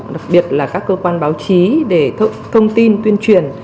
đặc biệt là các cơ quan báo chí để thông tin tuyên truyền